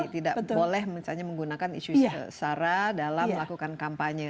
tidak boleh hanya menggunakan isu sara dalam melakukan kampanye